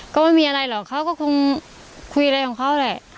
ก็ไม่มีอะไรหรอกเขาก็คงคุยอะไรของเขาแหละ